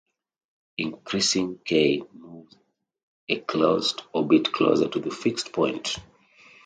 Increasing "K" moves a closed orbit closer to the fixed point.